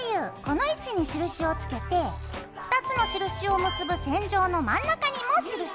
この位置に印をつけて２つの印を結ぶ線上の真ん中にも印。